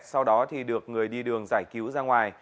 sau đó thì được người đi đường giải cứu ra ngoài